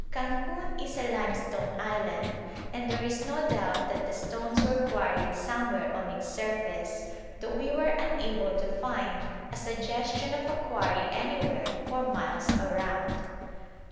Cancun is a limestone island, and there is no doubt that the stones were quarried somewhere on its surface, though we were unable to find a suggestion of a quarry anywhere for miles around.